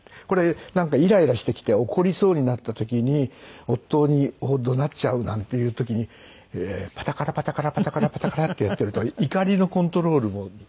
これなんかイライラしてきて怒りそうになった時に夫を怒鳴っちゃうなんていう時にパタカラパタカラパタカラパタカラってやってると怒りのコントロールも。